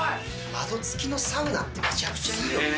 窓付きのサウナって、めちゃめちゃいいよな。